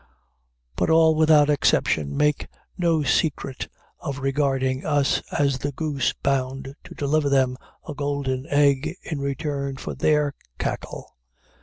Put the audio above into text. But all without exception make no secret of regarding us as the goose bound to deliver them a golden egg in return for their cackle.